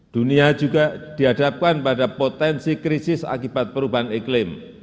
dunia juga dihadapkan pada potensi krisis akibat perubahan iklim